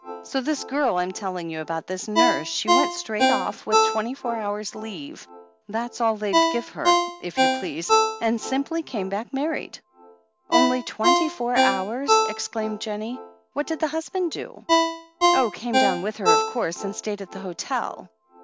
So this girl I'm telling you about, this nurse — she went straight off with twenty four hours' leave — that was all they'd give her, if you please — and simply came back married." "Only twenty four hours!" exclaimed Jennie. "What did the husband do?" "Oh, came down with her, of course, and stayed at the hotel."